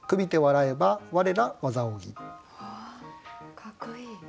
かっこいい。